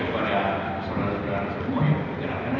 saya tidak tahu